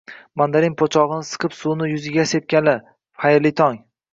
Mandarin po'chog'ini siqib suvini yuziga sepganlar, xayrli tong!